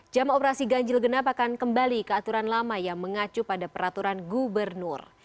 jam operasi ganjil genap akan kembali ke aturan lama yang mengacu pada peraturan gubernur